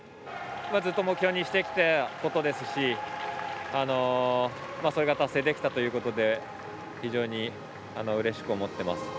ずっと目標にしてきたことですしそれが達成できたということで非常にうれしく思ってます。